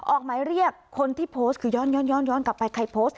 ออกหมายเรียกคนที่โพสต์คือย้อนกลับไปใครโพสต์